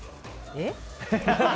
えっ？